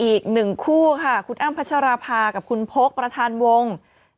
อีกหนึ่งคู่ค่ะคุณอ้ำพัชราภากับคุณพกประธานวง